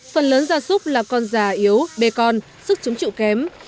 phần lớn da súc là con già yếu bê con sức chứng chịu kém